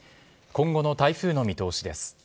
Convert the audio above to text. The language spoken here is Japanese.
今後の台風の見通しです。